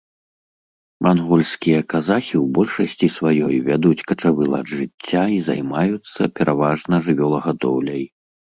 Мангольскія казахі ў большасці сваёй вядуць качавы лад жыцця і займаюцца пераважна жывёлагадоўляй.